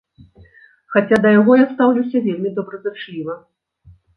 Хаця да яго я стаўлюся вельмі добразычліва.